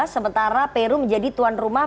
sementara peru menjadi tuan rumah